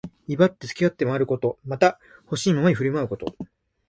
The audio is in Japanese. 威張って自分勝手に歩き回ること。また、ほしいままに振る舞うこと。